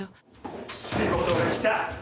仕事が来た！